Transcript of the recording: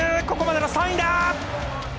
ここまでの３位だ！